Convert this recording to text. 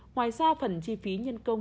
ngoài ra phần chi phí nhân công